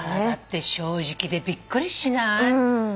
体って正直でびっくりしない？